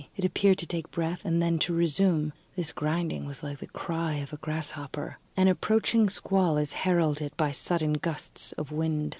It appeared to take breath, and then to resume. This grinding was like the cry of a grasshopper. An approaching squall is heralded by sudden gusts of wind.